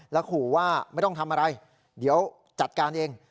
แล้วขู่ว่าไม่ต้องทำอะไรเดี๋ยวจัดการเอง